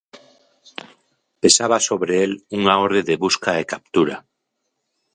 Pesaba sobre el unha orde de busca e captura.